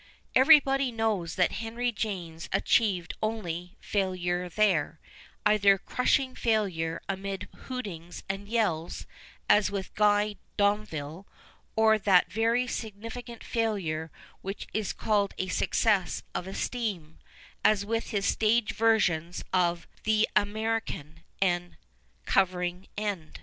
Everybody knows that Henry James achie\'ed only failure there, cither crushing failure amid hootings and yells, as with Guy Domville, or that very signifi cant failure which is called a success of " esteem," as with his stage versions of Tlie American and Covering End.